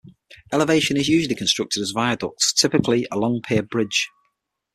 Elevation is usually constructed as viaducts, typically a long pier bridge.